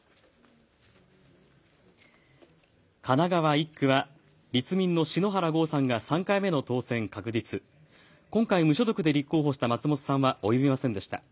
神奈川１区は立民の篠原豪さんが３回目の当選確実、今回、無所属で立候補した松本さんは及びませんでした。